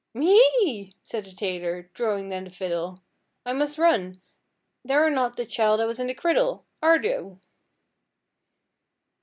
'M'Yee!' said the tailor, throwing down the fiddle. 'I mus' run, thou're not the chile that was in the criddle! Are thou?'